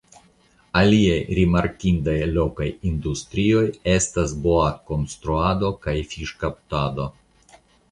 Aliaj rimarkindaj lokaj industrioj estas boatkonstruado kaj fiŝkaptado.